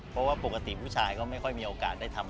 เพราะว่าปกติผู้ชายก็ไม่ค่อยมีโอกาสได้ทำ